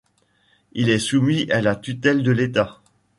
Il est soumis à la tutelle de l'État.